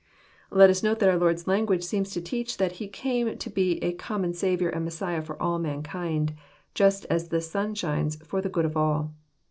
Let us note that our Lord's language seems to teach that He came to be a common Saviour and Messiah for all mankind, Just as the sun shines for the good of all.